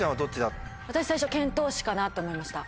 私最初遣唐使かなと思いました。